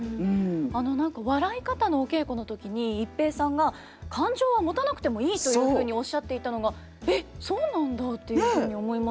あの何か笑い方のお稽古の時に逸平さんが「感情はもたなくてもいい」というふうにおっしゃっていたのが「えっそうなんだ」っていうふうに思いました。